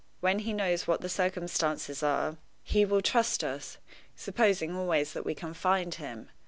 When he knows what the circumstances are, he will trust us supposing always that we can find him.